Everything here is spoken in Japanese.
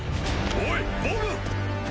おいボブ！